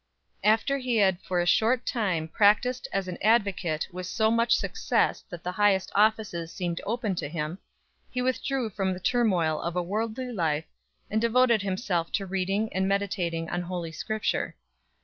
After he had for a short time practised as an advocate with so much success that the highest offices seemed open to him, he withdrew from the turmoil of a worldly life, and de voted himself to reading and meditating on Holy Scripture.